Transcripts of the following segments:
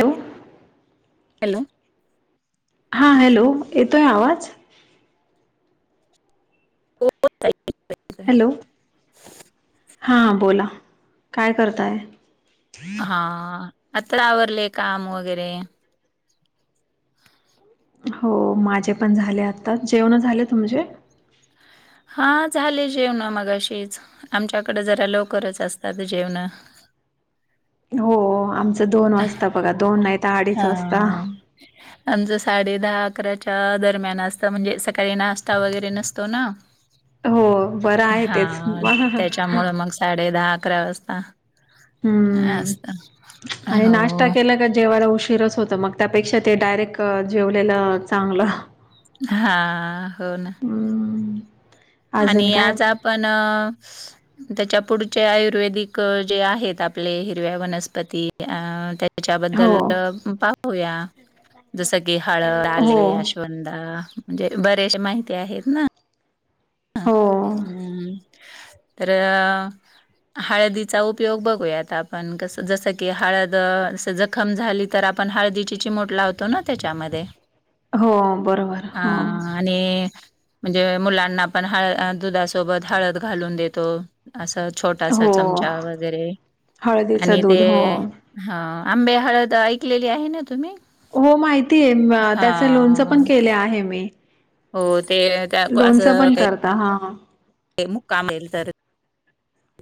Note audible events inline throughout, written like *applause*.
हो हॅलो हा हॅलो येतोय आवाज हो ताई, येतोय. हॅलो हां बोला काय करताय? हा आता आवरले काम वगैरे हो माझे पण झाले आता जेवणं झाले तुमचेे? हा झाले जेवणं मगाशीच आमच्याकडे जरा लवकरच असतात जेवणं हो आमचं दोन वाजता बघा दोन नाही तर अडीच हा वाजता आमचं साडे दहा अकराच्या दरम्यान असतं म्हणजे सकाळी नाश्ता वगैरे नसतो ना *inaudible* बरं आहे हा तेच त्याच्यामुळं मग साडे दहा अकरा वाजता हम्म असत आणि नाश्ता हो केला का जेवला उशीरचं होत तं मग त्यापेक्षा ते डायरेक्ट जेवलेलं चांगलं हा हो ना हम्म अजून आणि काय आज आपण त्याच्या पुढचे आयुर्वेदिक जे आहेत आपले हिरव्या वनस्पती अं त्या हो त्याच्याबद्दल पाहूया जस की हळद, हो आले, अश्वंदा म्हणजे बरेच माहिती आहेत ना ह हो हम्म तर हळदीचा उपयोग बघूयात आपण कस जस की हळद जखम झाली तर आपण हळदीची चिमट लावतो ना त्याच्यामध्ये हो बरोबर हा आणि म्हणजे मुलांना पण हळ दुधासोबत हळद घालून देतो असं छोटासा हो चमचा वगैरे, हळदीचं आणि दूध हो. ते हा, आंबे हळद ऐकलेली आहे ना तुम्ही? हो, माहितीय, हा त्याच लोणचं पण केलं आहे मी. हो, ते त्या लोणच पण करता, हा हा. ये मुक्काम येल तर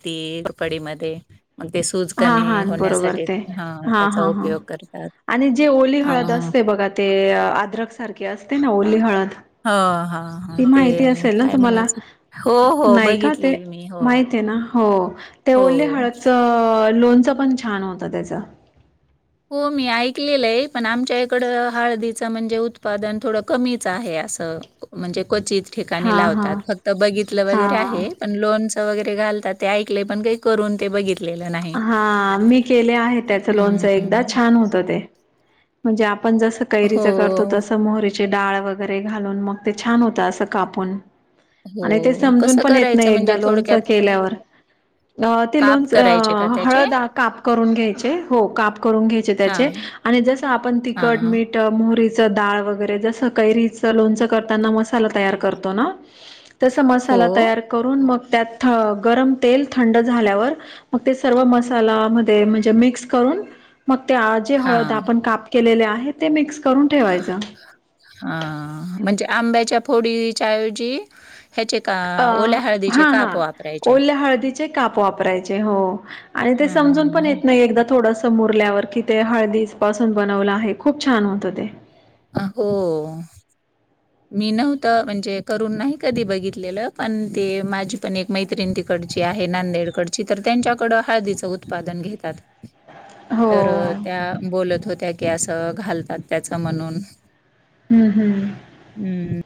तेल कढईमध्ये मग ते सूज हा कमी हा बरोबर होण्यासाठी, ते हा, त्याचा हा हा. उपयोग करतात. आणि जे ओली अ हळद असते बघा ते, आद्रक सारखे असते ना ओली हळद ह हा हा ती ते माहिती असेल ना काय तुम्हाला? म्हणायचं? हो हो नाही का, ते बघितली मी हो माहित आहे ना? हो, ते ओली हो. हळदचं, लोणचं पण छान होतं त्याच. हो, मी ऐकलेलं आहे, पण आमच्या आईकडे हळदीचं म्हणजे, उत्पादन थोडं कमीच आहे असं. म्हणजे क्वचित ठिकाणी हा हा लावतात, फक्त बघितलं हा वगैरे आहे. पण लोनच वगैरे घालतात, ते ऐकले, पण काही करून ते बघितले हा, मी केले आहे त्याचं हं, लोणचं एकदा, छान होतं ते. म्हणजे, आपण जस कैरीच करतो हो, तस मोहरीच डाळ वगैरे घालून, मग ते छान होतं असं कापून. आणि ते हो. समजून कसं पण येत नाही करायचं म्हणजे एकदा लोणचं थोडक्यात केल्यावर, ते काप करायचे का लोणचं त्याचे? हळद काप करून घ्यायचे, हो, काप करून घ्यायचे हां, त्याचे आणि जसं आपण तिखट, हां. मीठ मोहरीचं डाळ वगैरे जसं, कैरीचं लोणचं करताना मसाला तयार करतो ना *inaudible* तसा हो, मसाला तयार करून, मग त्यात गरम तेल थंड झाल्यावर मग ते सर्व मसाला म्हणजे, मिक्स करून, मग ते जे हळद हां, आपण काप केलेले आहेत ते मिक्स करून ठेवायच. हा, म्हणजे आंब्याच्या फोडीच्याऐवजी ह्याचे का अ, हा हा. वापरायचे. ओल्या हळदीचे काप वापरायचे, हो, आणि ते हां, समजून पण हां. येत नाही एकदा थोडस मुरल्यावर, कि ते हळदी पासून बनवलं आहे, खूप छान होतं ते. हो. मी नव्हत, म्हणजे करून नाही कधी बघितलेलं, पण ते माझी पण एक मैत्रिण तिकडची आहे, नांदेडकडची, तर त्यांच्याकडं हळदीचं उत्पादन घेतात. *inaudible* हो तर त्या, हम्म बोलत होत्या की असं, घालतात त्याच म्हणून हम्म हम्. हम्म!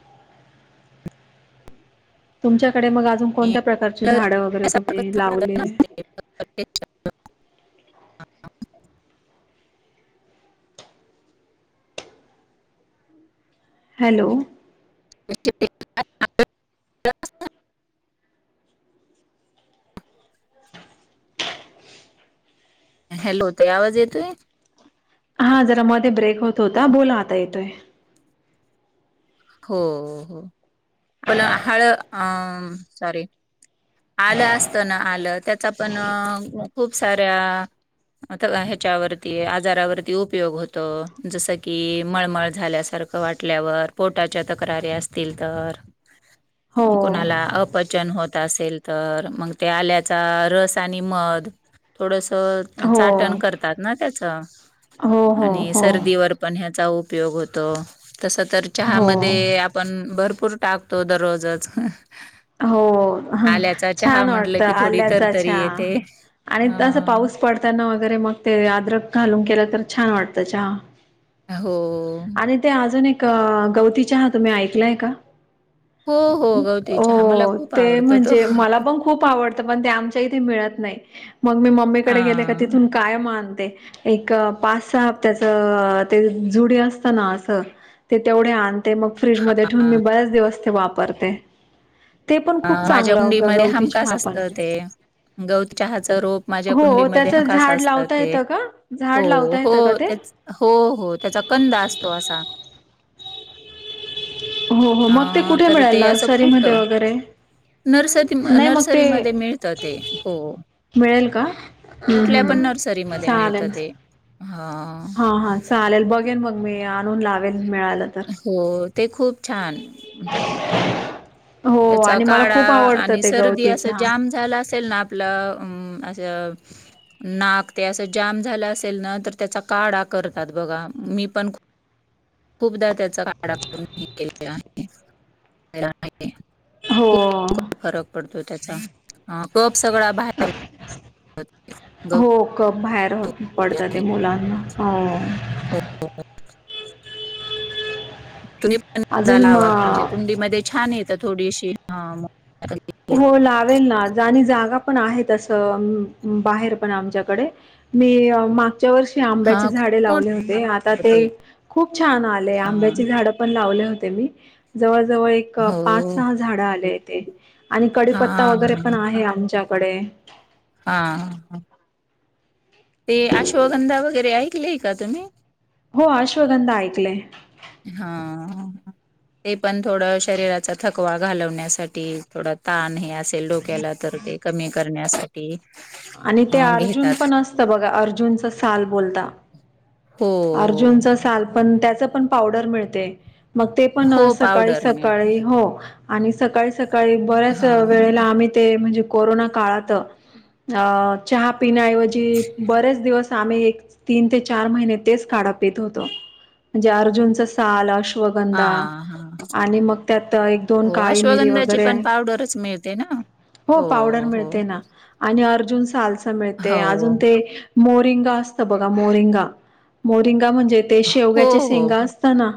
तुमच्याकडे मग अजून आणि कोणत्या प्रकारची आपलं झाडं वगैरे तुम्ही आपल्यासारखंच राहतं लावले? *unintelligible* *inaudible* हॅलो? *unintelligible* *inaudible* हॅलो, ताई आवाज येतोय? हा, जरा मध्ये ब्रेक होत होता, बोला आता येतोय. हो हो, आपला हळ अ सॉरी. आलं असतं ना आलं, त्याचा पण खूप साऱ्या आता ह्याच्यावरती, आजारावरती उपयोग होतो, जसं की मळमळ झाल्यासारखं वाटल्यावर, पोटाच्या तक्रारी असतील तर. हो कुणाला अपचन होत असेल. तर मग ते आल्याचा रस आणि मध थोडस हो चाटण करतात ना त्याचं. हो हो आणि हो सर्दीवर पण ह्याचा उपयोग होतो. तस तर हो चहामध्ये पण भरपूर टाकतो दररोजच. हो, आल्याचा चहा छान वाटत म्हटलं की थोडी आल्याचा तरतरी चहा, येते अ, आणि तसं पाऊस. पडताना वगैरे मग ते अद्रक घालून केलं तर छान वाटतं चहा. हो. आणि ते अजून एक, गवती चहा तुम्ही ऐकलाय का? हो-हो गवती चहा मला हो खूप ते आवडतो तो म्हणजे, मला पण खूप आवडतं पण ते आमच्या इथे मिळत नाही. मग मी मम्मीकडे गेले का हां, तिथून- कायम आणते. एक पाच, सहा हप्त्याच ते जुडी असतं ना असं. ते तेवढे आणते. मग फ्रीजमध्ये ठेऊून मी हां, बऱ्याच दिवस ते वापरते. ते पण अ खूप माझ्या चांगलं कुंडीमध्ये गवती हमखास चहा असत पण. ते. गवतचहा च रोप माझ्या हो कुंडीमध्ये त्याचं हमखास झाड असत लावता ते. येतं का? हो, झाड लावता हो येतं का ते? तेचं. हो-हो त्याचा कंदा असतो असा. हो हो मग ते अं कुठे तर मिळेल ते असं फुट नर्सरीमध्ये वगैरे? नर्सरी, नाही मग ते नर्सरीमध्ये मिळत ते हो. मिळेल का? हम्म कुठल्या पण हम्म नर्सरीमध्ये मिळत ते. हा. ह-हा चालेल बघेन मग मी आणून लावेल मिळालं तर. हो ते खूप छान. *inaudible* त्याचा आणि मला काढा, खूप आवडतं आणि ते सर्दी गवती असं चहा. जाम झालं असेल ना. आपला हम्म असं नाक ते असं जाम झालं असेल ना, तर त्याचा काढा करतात बघा, मी पण खूप खूपदा त्याचा काढा करून पिलेला आहे. पिलेला आहे. हो. खूप फरक पडतो त्याचा, कप सगळा बाहेर अ *unintelligible* हो, कप बाहेर पडत ते, मुलांना हो. हो, तुम्ही पण अजून लावा म्हणजे म कुंडी म छान येत थोडीशी ह. हो लावेल ना आणि जागा पण आहे तस, बाहेर पण आमच्याकडे. मी मा च्या वर्षी हा आंब्याची झाडे खूप लावले मोठं होते, आता ते खूप छान आले. हा आंब्याची झाड पण लावले होते मी, जवळ-जवळ एक, हो पाच, सहा झाड आले ते. आणि हा कडीपत्ता वगैरे पण हा आहे आमच्याकडे. हा. ते अश्वगंधा वगैरे ऐकले का तुम्ही? हो अश्वगंधा ऐकलय. हा. ते पण थोडं शरीराचा थकवा घालवण्यासाठी, थोडं ताण हे अस तेल डोक्याला तर ते कमी करण्यासाठी- आणि ते अ अर्जुन घेतात पण असतं बघा. अर्जुनच साल बोलता. हो हो अर्जुनच साल पण त्याच पण पावडर मिळते. मग ते पण हो सकाळी पावडर मिळते -सकाळी हो आणि सकाळी - सकाळी बऱ्याच हा वेळेला आम्ही ते म्हणजे कोरोना काळात अ चहा पिण्याऐवजी बरेच दिवस आम्ही एक तीन ते चार महिने तेच काढ पित होतो म्हणजे अर्जुनच काल, हा अश्वगंधा हा आणि मग त्यात एक दोन काळी मिरी वगैरे ते ना. हो पावडर हो मिळते ना. आणि अर्जुन सालसा मिळते हो अजून ते मोरिंगा असतं बघा मोरिंगा. मोरिंगा म्हणजे ते हो शेवग्याचे हो सेंगा हो असत ना?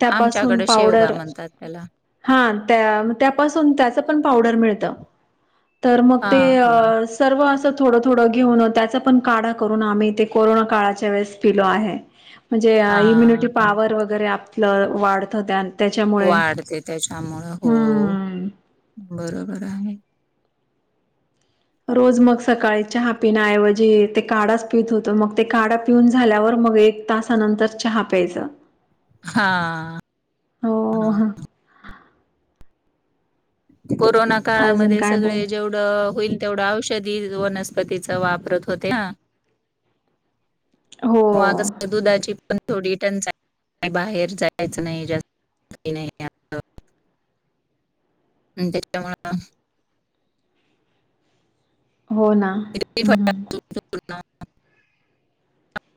त्यापासून आमच्याकडे शेवगा पावडर म्हणतात त्याला हा त्या त्यापासून -त्याच पण पावडर मिळत तर मग हा हा ते- सर्व असं थोडं थोडं घेऊन त्याचा पण काढा करून आम्ही ते कोरोना काळाच्या वेळेस- - पिलो आहे. म्हणजे हा इम्युनिटी हा पॉवर वगैरे आपलं वाढत त्यान् वाढते त्याच्यामुळ. हो हम्म बरोबर आहे. रोज मग सकाळी चहा पिण्याऐवजी ते काढाच पित होतो मग ते काढा पिऊन झाल्यावर मग एक तासानंतर चहा प्यायचं. हा. हो. हा कोरोना अजून काळामध्ये काय बोल सगळे जेवढ - - ढ होईल तेवढं औषधी वनस्पतीच वापरत होते ना? हो मगस दुधाची पण थोडी टंचाई बाहेर जायचं नाही जास्त नाही. असं. म त्याच्यामुळ हो ना? हम्म *unintelligible* हम्म पूर्ण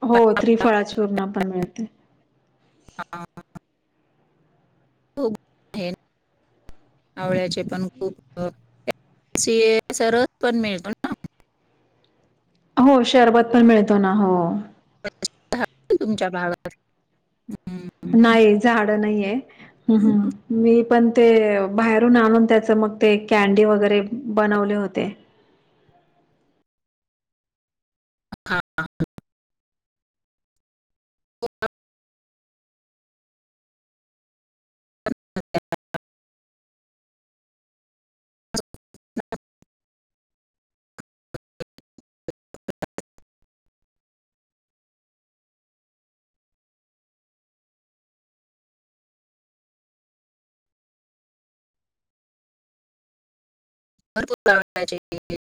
हो त्रिफळा चूर्ण पण मिळते. *unintelligible* आवळ्याचे पण खूप *unintelligible* पण मिळ हो शरबत पण मिळतो ना. हो. *unintelligible* तुमच्या भागात. हम्म. नाही झाडं नाहीय. मी पण ते बाहेरून आणून त्याच मग ते कॅन्डी वगैरे बनवले होते. *unintelligible* *unintelligible* *unintelligible* *unintelligible*